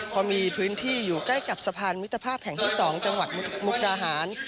เพราะมีพื้นที่อยู่ใกล้กับสะพานมิตรภาพแห่งที่๒จังหวัดมุกดาหาร